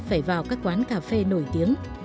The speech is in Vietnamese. phải vào các quán cà phê nổi tiếng